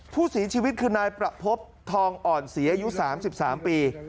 ผู้เสียชีวิตคือนายประพบทองอ่อนศรีอายุ๓๓ปี